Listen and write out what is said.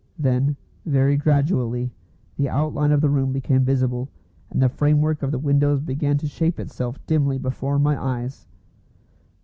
Then, very gradually, the outline of the room became visible, and the framework of the windows began to shape itself dimly before my eyes.